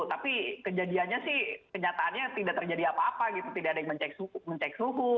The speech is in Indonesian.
dan kejadiannya sih kenyataannya tidak terjadi apa apa gitu tidak ada yang mencek suhu